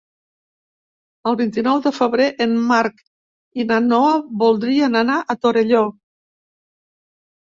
El vint-i-nou de febrer en Marc i na Noa voldrien anar a Torelló.